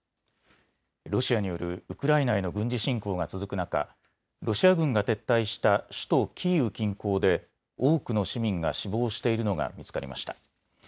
ロシアによるウクライナへの軍事侵攻が続く中、ロシア軍が撤退した首都キーウ近郊で多くの市民が死亡しているのが見つかりました。